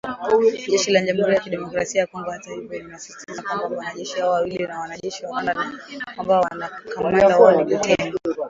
Jeshi la Jamhuri ya kidemokrasia ya Kongo hata hivyo linasisitiza kwamba wanajeshi hao wawili ni wanajeshi wa Rwanda na kwamba kamanda wao ni Luteni.